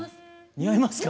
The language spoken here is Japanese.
似合いますか？